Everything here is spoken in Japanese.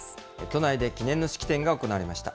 都内で記念の式典が行われました。